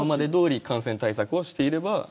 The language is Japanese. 今までどおり感染対策をしていれば。